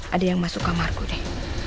ada yang masuk kamarku deh